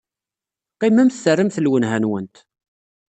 Qqimemt terramt lwelha-nwent.